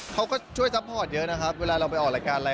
เขาก็ช่วยซัพพอร์ตเยอะนะครับเวลาเราไปออกรายการอะไร